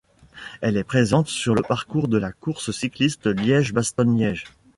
Elle est présente sur le parcours de la course cycliste Liège-Bastogne-Liège.